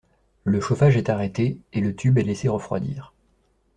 Le chauffage est arrêté et le tube est laissé refroidir.